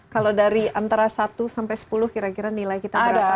kalau dari antara satu sampai sepuluh kira kira nilai kita berapa